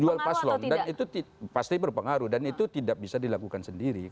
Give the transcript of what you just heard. jual paslon dan itu pasti berpengaruh dan itu tidak bisa dilakukan sendiri